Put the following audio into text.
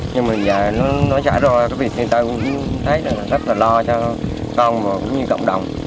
nhưng mà dài nó trả ro cái việc thì tao cũng thấy rất là lo cho con và cũng như cộng đồng